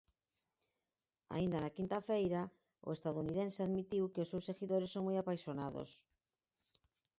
Aínda na quinta feira, o estadounidense admitiu que os seus seguidores son moi apaixonados.